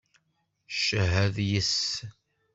Cehhed yes-s!